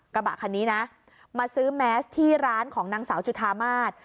กระบะคันนี้นะมาซื้อแมสที่ร้านของนางสาวจุธามาศ